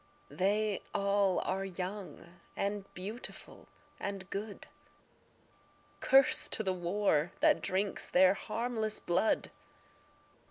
They all are young and beautiful and good; Curse to the war that drinks their harmless blood.